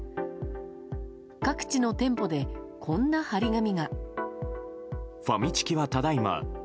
各地の店舗でこんな貼り紙が。